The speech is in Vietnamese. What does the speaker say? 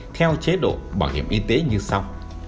theo chế độ bảo hiểm y tế như sau